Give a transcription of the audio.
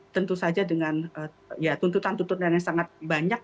tentu saja dengan tuntutan tuntutan yang sangat banyak